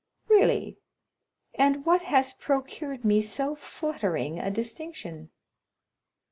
"Really? and what has procured me so flattering a distinction?"